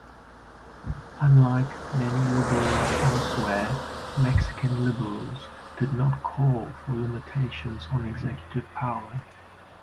Unlike many liberals elsewhere, Mexican liberals did not call for limitations on executive power.